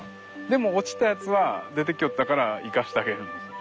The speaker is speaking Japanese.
でも落ちたやつは出てきよったから生かしてあげるんです。